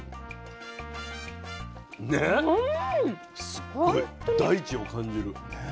すっごい大地を感じる。